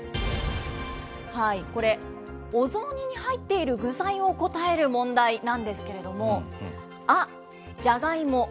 これ、お雑煮に入っている具材を答える問題なんですけれども、ア、ジャガイモ。